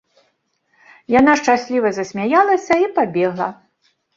Яна шчасліва засмяялася і пабегла.